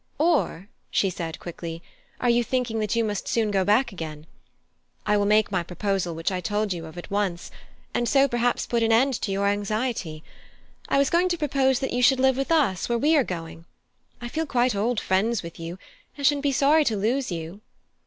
Or," she said quickly, "are you thinking that you must soon go back again? I will make my proposal which I told you of at once, and so perhaps put an end to your anxiety. I was going to propose that you should live with us where we are going. I feel quite old friends with you, and should be sorry to lose you."